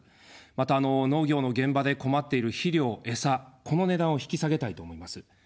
また、農業の現場で困っている肥料・餌、この値段を引き下げたいと思います。